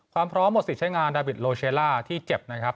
ความพร้อมหมดสิทธิ์ใช้งานดาบิดโลเชล่าที่เจ็บนะครับ